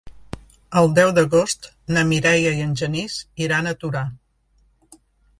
El deu d'agost na Mireia i en Genís iran a Torà.